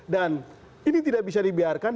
dan ini tidak bisa dibiarkan